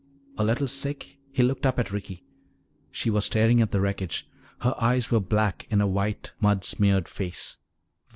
A little sick, he looked up at Ricky. She was staring at the wreckage. Her eyes were black in a white, mud smeared face.